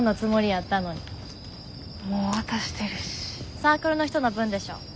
サークルの人の分でしょ？